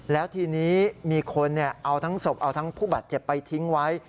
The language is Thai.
แล้วทีนี้มีคนเอาทั้งศพเอาทั้งผู้บาดเจ็บไปทิ้งไว้